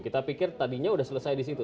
kita pikir tadinya sudah selesai di situ